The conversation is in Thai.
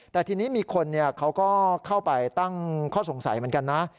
แต่ทีนี้มีคนเขาก็เข้าไปตั้งข้อสงสัยเหมือนกันนะ